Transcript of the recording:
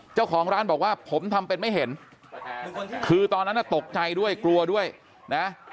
เจ้าของร้านบอกว่าผมทำเป็นไม่เห็นคือตอนนั้นน่ะตกใจด้วยกลัวด้วยนะ